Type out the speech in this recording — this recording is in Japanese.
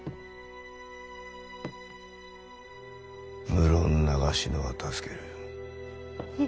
無論長篠は助ける。